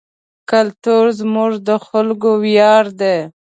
کلتور زموږ د خلکو ویاړ دی.